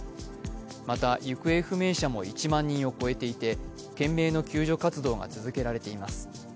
また行方不明者も１万人を超えていて懸命の救助活動が続けられています。